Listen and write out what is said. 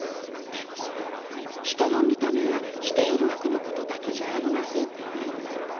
でもそれは人の見た目やきているふくのことだけじゃありませんのよ。